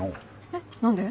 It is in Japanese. えっ何で？